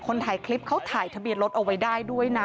ถ่ายคลิปเขาถ่ายทะเบียนรถเอาไว้ได้ด้วยนะ